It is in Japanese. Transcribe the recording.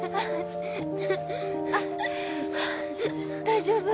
大丈夫？